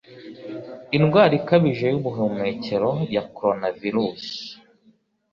Indwara ikabije yubuhumekero ya coronavirusi